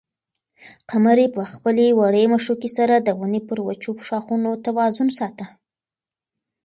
قمرۍ په خپلې وړې مښوکې سره د ونې پر وچو ښاخونو توازن ساته.